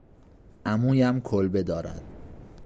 عمویم کلبه دارد.